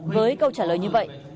với câu trả lời như vậy